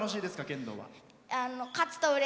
剣道は。